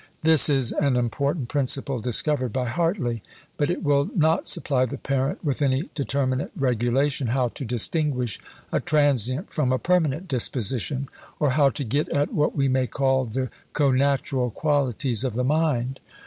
This is an important principle discovered by Hartley, but it will not supply the parent with any determinate regulation how to distinguish a transient from a permanent disposition; or how to get at what we may call the connatural qualities of the mind.